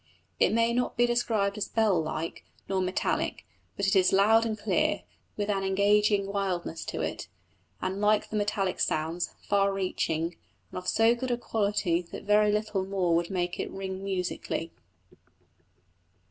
It may not be described as bell like nor metallic, but it is loud and clear, with an engaging wildness in it, and, like metallic sounds, far reaching; and of so good a quality that very little more would make it ring musically.